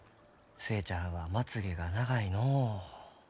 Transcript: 寿恵ちゃんはまつげが長いのう。